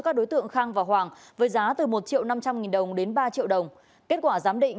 các đối tượng khang và hoàng với giá từ một triệu năm trăm linh nghìn đồng đến ba triệu đồng kết quả giám định